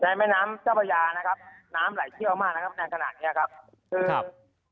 เจ้าประยานะครับน้ำไหลเชี่ยวมากนะครับแน่นขนาดเนี้ยครับครับ